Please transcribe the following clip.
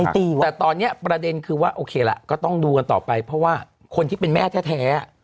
แต่ตอนนี้ประเด็นคือว่าโอเคละก็ต้องดูกันต่อไปเพราะว่าคนที่เป็นแม่แท้